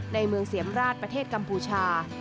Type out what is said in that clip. ในเมืองเสียมราชประเทศกัมพูชา